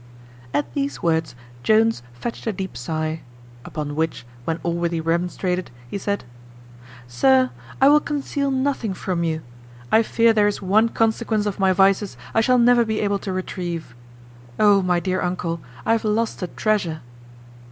At these words Jones fetched a deep sigh; upon which, when Allworthy remonstrated, he said, "Sir, I will conceal nothing from you: I fear there is one consequence of my vices I shall never be able to retrieve. O, my dear uncle! I have lost a treasure."